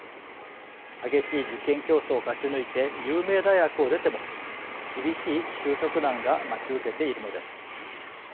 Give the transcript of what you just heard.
激しい受験競争を勝ち抜いて有名大学を出ても厳しい就職難が待ち受けているのです。